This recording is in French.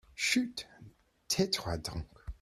Chut ! tais-toi donc.